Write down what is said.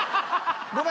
ごめん。